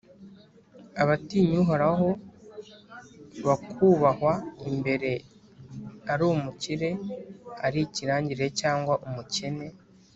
abatinya Uhoraho bakubahwa imbere Ari umukire, ari ikirangirire cyangwa umukene,